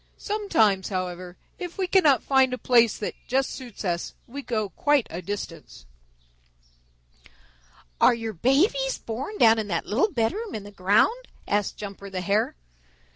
Sometimes, however, if we cannot find a place that just suits us, we go quite a distance." "Are your babies born down in that little bedroom in the ground?" asked Jumper the Hare.